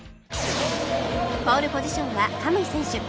ポールポジションは可夢偉選手